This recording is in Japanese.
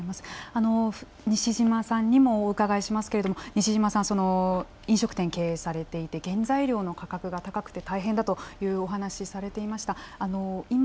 西嶋さんにもお伺いしますけれども飲食店経営されていて原材料の価格が高くて大変だというお話されていました。